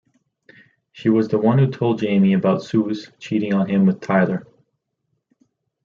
She was the one who told Jamie about Sooz cheating on him with Tyler.